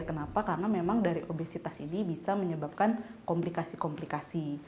kenapa karena memang dari obesitas ini bisa menyebabkan komplikasi komplikasi